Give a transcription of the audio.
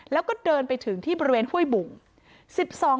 แล้วก็เดินไปถึงที่บริเวณห้วยบุง